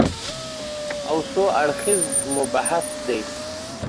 او څو اړخیز مبحث دی